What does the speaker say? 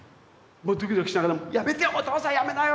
もうドキドキしながら「やめてよお父さんやめなよ！」って。